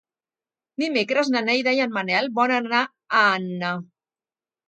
Dimecres na Neida i en Manel volen anar a Anna.